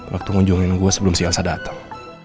waktu ngunjungin gue sebelum si elsa datang